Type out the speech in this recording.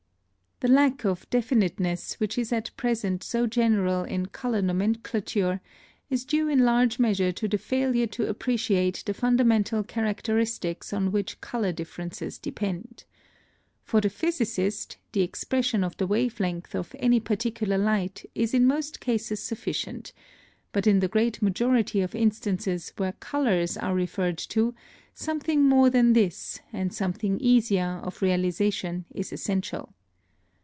The lack of definiteness which is at present so general in color nomenclature, is due in large measure to the failure to appreciate the fundamental characteristics on which color differences depend. For the physicist, the expression of the wave length of any particular light is in most cases sufficient, but in the great majority of instances where colors are referred to, something more than this and something easier of realization is essential.